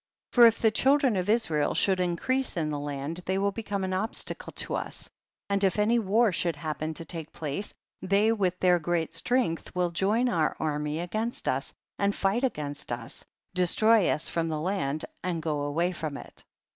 6. For if the children of Israel should increase in the land, they will become an obstacle to us, and if any war should happen to take place, they with their great strength will join our enemy against us, and fight against us, destroy us from the land and go away from it.